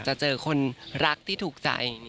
จะเจอคนรักที่ถูกใจ